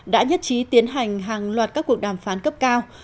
đã nhất trí tiến hành hàng loạt các cuộc đàm phán cấp cao